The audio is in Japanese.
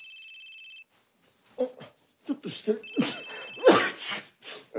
おっちょっと失礼。